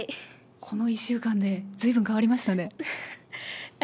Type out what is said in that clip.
この１週間でずいぶん、変わりましたね。